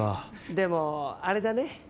でもあれだね